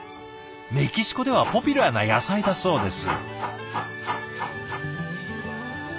メキシコではポピュラーな野菜だそうです。